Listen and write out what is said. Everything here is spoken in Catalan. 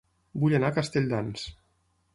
Vull anar a Castelldans